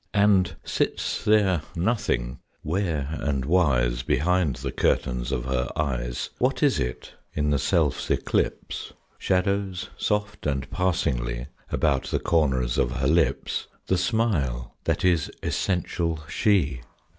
And, sits there nothing ware and wise Behind the curtains of her eyes, What is it, in the self's eclipse, Shadows, soft and passingly, About the corners of her lips, The smile that is essential she?